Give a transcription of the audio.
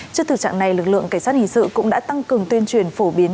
trước thực trạng này lực lượng cảnh sát hình sự cũng đã tăng cường tuyên truyền phổ biến